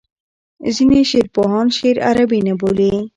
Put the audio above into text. ځینې شعرپوهان شعر عربي نه بولي.